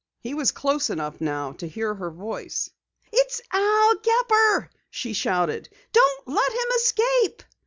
He was close enough now to hear her voice. "It's Al Gepper!" she shouted. "Don't let him escape!"